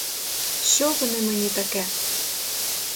Що вони мені таке?